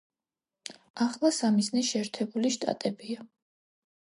ახლა სამიზნე შეერთებული შტატებია.